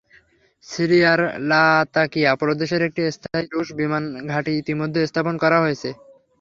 সিরিয়ার লাতাকিয়া প্রদেশের একটি স্থায়ী রুশ বিমান ঘাঁটি ইতিমধ্যে স্থাপন করা হয়েছে।